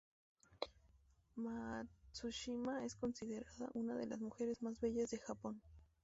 Matsushima es considerada una de las mujeres más bellas de Japón.